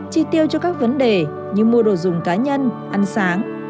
chi tiêu cho các vấn đề như mua đồ dùng cá nhân ăn sáng